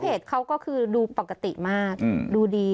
เขาก็คือดูปกติมากดูดี